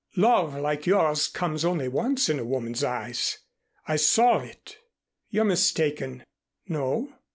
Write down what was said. Love like yours comes only once in a woman's eyes. I saw it " "You're mistaken." "No.